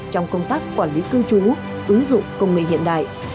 trong công tác quản lý cư trú ứng dụng công nghệ hiện đại